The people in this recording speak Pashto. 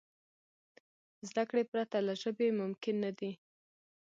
زدهکړې پرته له ژبي ممکن نه دي.